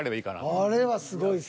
あれはすごいっす。